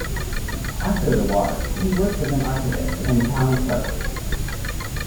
After the war, he worked as an archivist and town clerk.